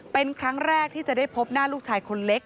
เป็นครั้งแรกที่จะได้พบหน้าลูกชายคนเล็ก